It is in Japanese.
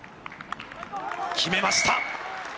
決めました。